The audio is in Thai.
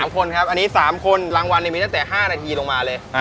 ๓คนครับอันนี้๓คนรางวัลมีตั้งแต่๕นาทีลงมาเลย